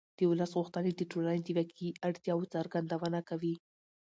د ولس غوښتنې د ټولنې د واقعي اړتیاوو څرګندونه کوي